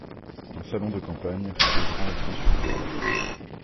Un salon de campagne, ouvrant au fond sur un jardin.